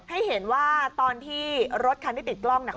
ให้เห็นว่าตอนที่รถคันที่ติดกล้องเนี่ย